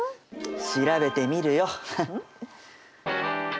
調べてみるよ。